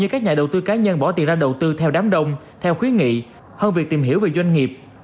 các nhà đầu tư cá nhân bỏ tiền ra đầu tư theo đám đông theo khuyến nghị hơn việc tìm hiểu về doanh nghiệp